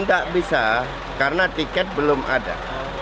tidak bisa karena tiket belum ada